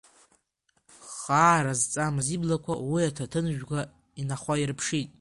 Хаара зҵамыз иблақәа уи аҭаҭынжәга инахәаирԥшит.